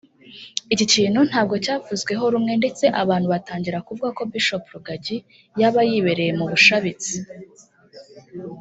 Iki kintu ntabwo cyavuzweho rumwe ndetse abantu batangira kuvuga ko Bishop Rugagi yaba yibereye mu bushabitsi